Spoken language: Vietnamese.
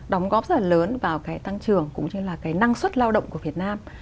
đóng góp rất là lớn vào cái tăng trưởng cũng như là cái năng suất lao động của việt nam